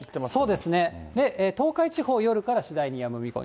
そうですね、東海地方、夜から次第にやむ見込み。